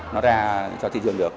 nó ra cho thị trường được